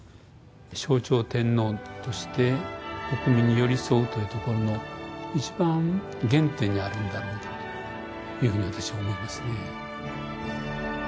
象徴天皇として国民に寄り添うというところの一番原点にあるんだろうというふうに私は思いますね。